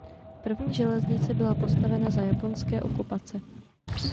První železnice byla postavena za japonské okupace.